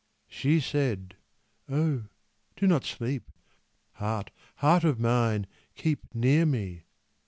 She said 'O, do not sleep, Heart, heart of mine, keep near me.